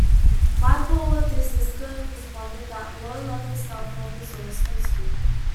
Michael DeSisto responded that, "low-level staff members were responsible".